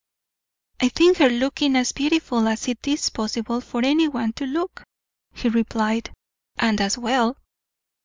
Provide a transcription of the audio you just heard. "I think her looking as beautiful as it is possible for any one to look," he replied, "and as well."